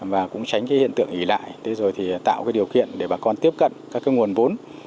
và cũng tránh hiện tượng ý lại tạo điều kiện để bà con tiếp cận các nguồn vốn